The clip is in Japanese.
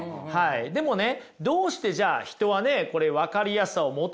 でもねどうしてじゃあ人はねこれ分かりやすさを求めてしまうのか？